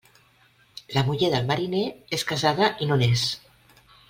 La muller del mariner és casada i no n'és.